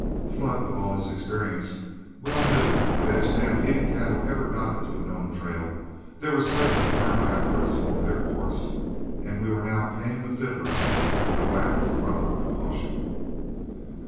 Flood, with all his experience, well knew that if stampeded cattle ever got into a known trail, they were certain to turn backward over their course; and we were now paying the fiddler for lack of proper precaution.